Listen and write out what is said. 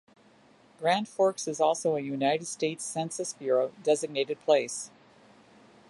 Grand Forks is also a United States Census Bureau designated place.